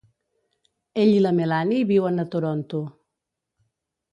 Ell i la Melanie viuen a Toronto.